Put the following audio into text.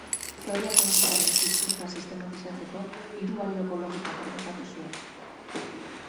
Teoria kuantikoaren hizkuntza sistematizatzeko hiru balioko logika proposatu zuen.